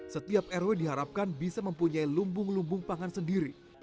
setiap rw diharapkan bisa mempunyai lumbung lumbung pangan sendiri